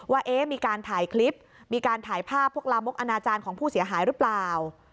ว่ามีการถ่ายคลิปมีการถ่ายภาพพวกลามกอนาจารย์ของผู้เสียหายหรือเปล่า